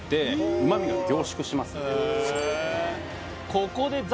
ここでザ★